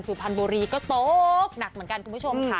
สุพรรณบุรีก็ตกหนักเหมือนกันคุณผู้ชมค่ะ